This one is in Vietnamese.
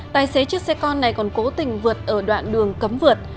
tài xế chiếc xe con này còn cố tình vượt ở đoạn đường cấm vượt